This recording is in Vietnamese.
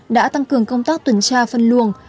đã tăng cường công tác tuần tra phân luồng